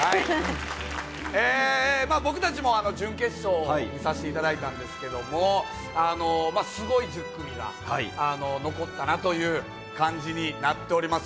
僕たちも準決勝を見させていただいたんですが、すごい１０組が残ったなという感じになっております。